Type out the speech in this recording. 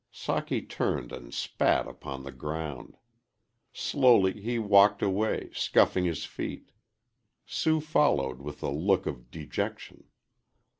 Socky turned and spat upon the ground. Slowly he walked away, scuffing his feet. Sue followed with a look of dejection.